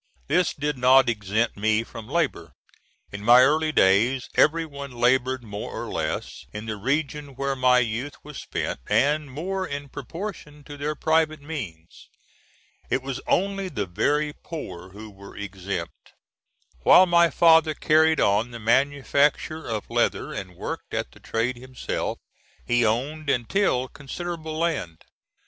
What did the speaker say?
This did not exempt me from labor. In my early days, every one labored more or less, in the region where my youth was spent, and more in proportion to their private means. It was only the very poor who were exempt. While my father carried on the manufacture of leather and worked at the trade himself, he owned and tilled considerable land.